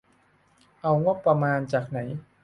เอางบประมาณจากไหน ?